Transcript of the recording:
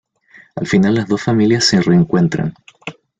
Al final las dos familias se reencuentran.